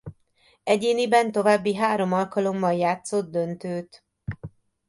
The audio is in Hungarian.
Egyéniben további három alkalommal játszott döntőt.